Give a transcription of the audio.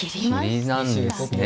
切りなんですね。